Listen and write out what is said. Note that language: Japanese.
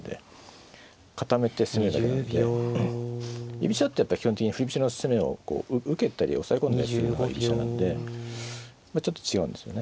居飛車ってやっぱり基本的に振り飛車の攻めを受けたり押さえ込んだりするのが居飛車なんでまあちょっと違うんですよね。